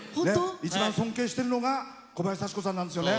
一番尊敬しているのが小林幸子さんなんですよね。